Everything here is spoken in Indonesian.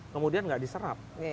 kemudian tidak diserap